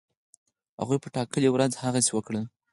هغوی په ټاکلې ورځ هغسی وکړل.